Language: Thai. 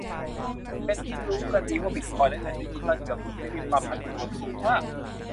เป็นที่รู้กันดีว่าบิตคอยน์และเงินดิจิทัลเกือบทุกชนิดมีความผันผวนสูงมาก